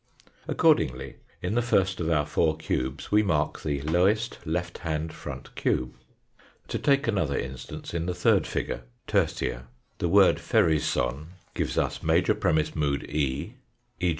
Accordingly in the first of our four cubes we mark the lowest left hand front cube. To take another instance in the third figure " Tertia," the word " ferisson " gives us major premiss mood E e.